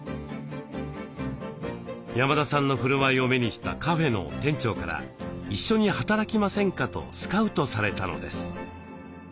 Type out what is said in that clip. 山田さんのふるまいを目にしたカフェの店長から「一緒に働きませんか」とスカウトされたのです。